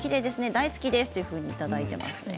大好きですといただいています。